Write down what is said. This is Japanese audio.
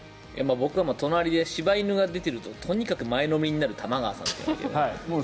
僕は隣で柴犬が出ているととにかく前のめりになるという玉川さんという。